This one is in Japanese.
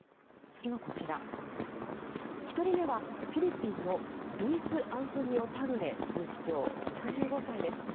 それがこちら１人目はフィリピンのルイス・アントニオ・タグレ枢機卿、６５歳です。